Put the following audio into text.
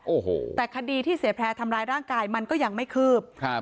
โอ้โหแต่คดีที่เสียแพร่ทำร้ายร่างกายมันก็ยังไม่คืบครับ